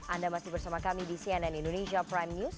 anda masih bersama kami di cnn indonesia prime news